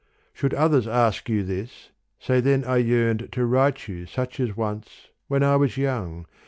Should others ask you this, say then I yearned To write you such as once, when I was young.